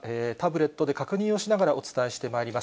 タブレットで確認をしながらお伝えしてまいります。